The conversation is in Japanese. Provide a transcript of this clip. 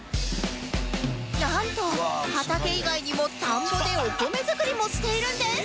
なんと畑以外にも田んぼでお米作りもしているんです